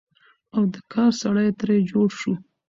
او د کار سړى تر جوړ شو،